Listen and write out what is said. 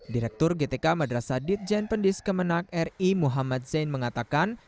direktur gtk madrasa ditjen pendis kemenang ri muhammad zain mengatakan